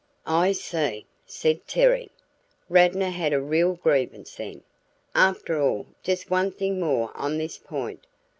"I see!" said Terry. "Radnor had a real grievance, then, after all just one thing more on this point.